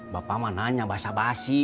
bapak mah nanya basah basi